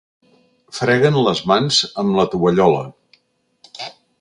Freguen les mans amb la tovallola.